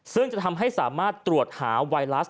ซึ่งจะทำให้สามารถตรวจหาไวรัส